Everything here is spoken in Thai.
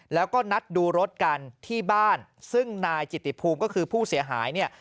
แล้วก็นัดดูรถกันที่บ้านซึ่งนายจิตติภูมิก็คือผู้เสียหายเนี่ย